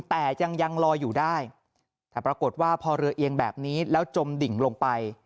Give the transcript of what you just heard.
แต่ยังยังลอยอยู่ได้แต่ปรากฏว่าพอเรือเอียงแบบนี้แล้วจมดิ่งลงไป